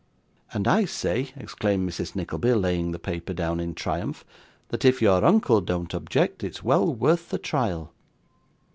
'And I say,' exclaimed Mrs. Nickleby, laying the paper down in triumph, 'that if your uncle don't object, it's well worth the trial.